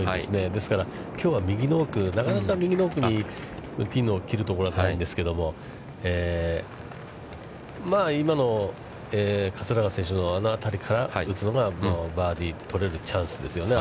ですから、きょうは右の奥、なかなか右の奥にピンを切るところはないんですけども、今の桂川選手のあの辺りから打つのがバーディーが取れるチャンスですよね。